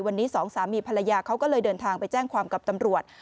วันนี้สองสามีภรรยาเขาก็เลยเดินทางไปแจ้งความกับตำรวจ